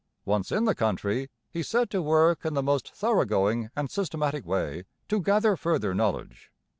Once in the country, he set to work in the most thoroughgoing and systematic way to gather further knowledge.